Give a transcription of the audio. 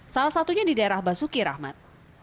salah satunya di daerah basuki rahmat